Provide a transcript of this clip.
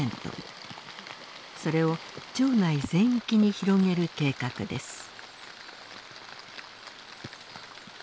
それを町内全域に広げる計画です。